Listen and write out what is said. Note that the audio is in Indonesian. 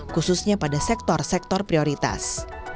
khususnya pada sektor sektor prioritas